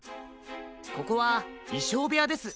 ここはいしょうべやです。